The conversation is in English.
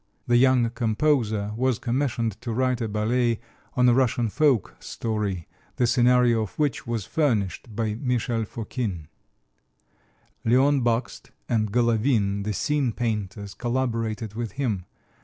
The young composer was commissioned to write a ballet on a Russian folk story, the scenario of which was furnished by Michel Fokine. Leon Bakst and Golovine, the scene painters, collaborated with him.